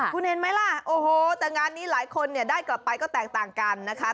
คุณเห็นไหมล่ะโอ้โหแต่งานนี้หลายคนเนี่ยได้กลับไปก็แตกต่างกันนะคะ